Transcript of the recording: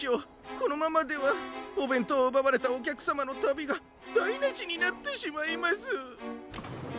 このままではおべんとうをうばわれたおきゃくさまのたびがだいなしになってしまいます。